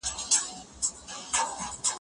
ځان وژنه يوه پېچلې ټولنيزه پديده ده.